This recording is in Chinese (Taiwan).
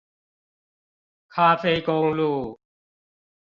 咖啡公路